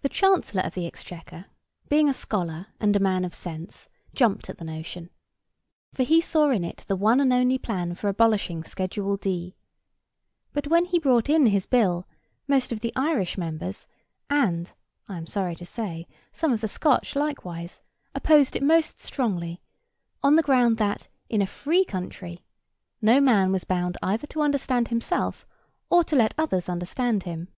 The Chancellor of the Exchequer, being a scholar and a man of sense, jumped at the notion; for he saw in it the one and only plan for abolishing Schedule D: but when he brought in his bill, most of the Irish members, and (I am sorry to say) some of the Scotch likewise, opposed it most strongly, on the ground that in a free country no man was bound either to understand himself or to let others understand him.